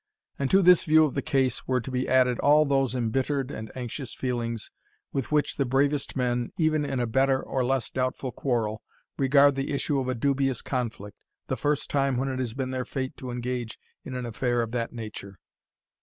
And to this view of the case were to be added all those imbittered and anxious feelings with which the bravest men, even in a better or less doubtful quarrel, regard the issue of a dubious conflict, the first time when it has been their fate to engage in an affair of that nature.